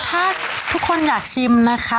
ถ้าทุกคนอยากชิมนะคะ